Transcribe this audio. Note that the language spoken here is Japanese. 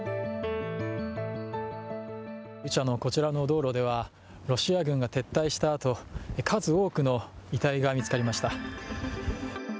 ブチャのこちらの道路ではロシア軍が撤退したあと数多くの遺体が見つかりました。